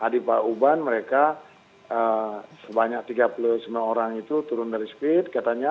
di pak uban mereka sebanyak tiga puluh sembilan orang itu turun dari speed katanya